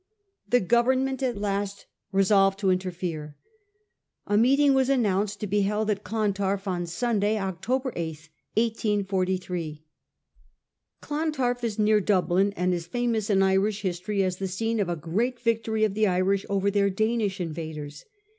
The Government at last resolved to interfere. A meeting was announced to be held at Clontarf on Sunday, October 8, 1843. Clontarf is near Dublin, and is famous in Irish history as the scene of a great victory of the Irish over their Danish invaders.